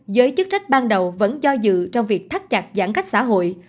giới chức trách ban đầu vẫn do dự trong việc thắt chặt giãn cách xã hội